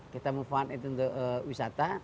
kita move on itu untuk wisata